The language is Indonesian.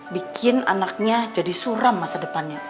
bikin anaknya jadi suram masa depannya